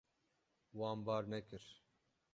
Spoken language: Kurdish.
Wan bar nekir.